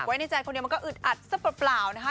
ไว้ในใจคนเดียวมันก็อึดอัดซะเปล่านะคะ